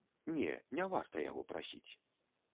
Не, не варта яго прасіць.